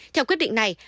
theo quyết định này